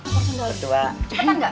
maksudnya cepetan gak